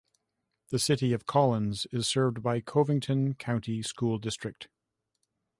The city of Collins is served Covington County School District.